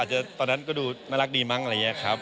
ตอนนั้นก็ดูน่ารักดีมั้งอะไรอย่างนี้ครับ